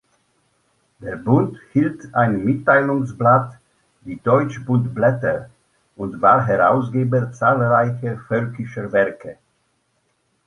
Der Bund hielt ein Mitteilungsblatt, die „Deutschbund-Blätter“, und war Herausgeber zahlreicher völkischer Werke.